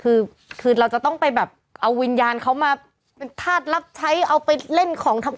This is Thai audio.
คือคือเราจะต้องไปแบบเอาวิญญาณเขามาเป็นธาตุรับใช้เอาไปเล่นของทำ